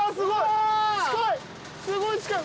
すごい近い！